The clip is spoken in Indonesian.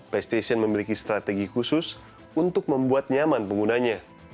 playstation memiliki strategi khusus untuk membuat nyaman penggunanya